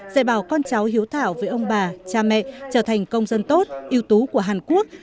dạy bảo con cháu hiếu thảo với ông bà cha mẹ trở thành công dân tốt yếu tố của hàn quốc